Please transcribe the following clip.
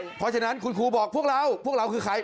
เพราะฉะนั้นคุณครูบอกพวกเราพวกเราคือใคร